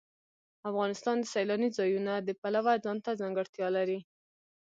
افغانستان د سیلانی ځایونه د پلوه ځانته ځانګړتیا لري.